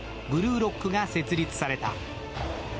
ブルーロックが設立された。